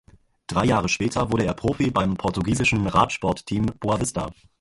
Drei Jahre später wurde er Profi beim portugiesischen Radsportteam Boavista.